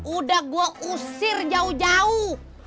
udah gue usir jauh jauh